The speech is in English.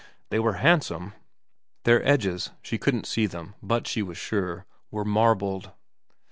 They were handsome ; their edges she couldn't see them, but she was sure were marbled.